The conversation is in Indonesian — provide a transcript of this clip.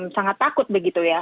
sangat takut begitu ya